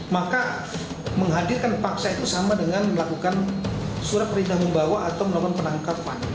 maka menghadirkan paksa itu sama dengan melakukan surat perintah membawa atau melakukan penangkapan